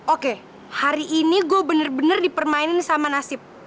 oke hari ini gue bener bener dipermainin sama nasib